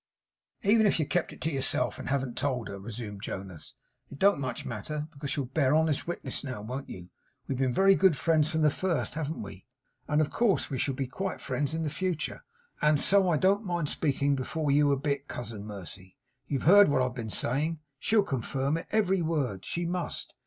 'Even if you kept it to yourself, and haven't told her,' resumed Jonas, 'it don't much matter, because you'll bear honest witness now; won't you? We've been very good friends from the first; haven't we? and of course we shall be quite friends in future, and so I don't mind speaking before you a bit. Cousin Mercy, you've heard what I've been saying. She'll confirm it, every word; she must.